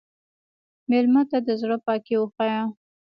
مېلمه ته د زړه پاکي وښیه.